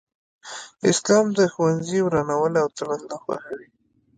اسلام د ښوونځي ورانول او تړل نه خوښوي